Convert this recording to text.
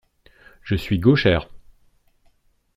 Je suis gauchère.